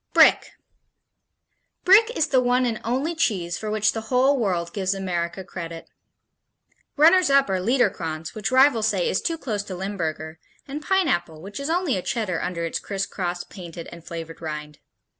Brick Brick is the one and only cheese for which the whole world gives America credit. Runners up are Liederkranz, which rivals say is too close to Limburger, and Pineapple, which is only a Cheddar under its crisscrossed, painted and flavored rind.